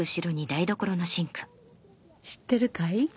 知ってるかい？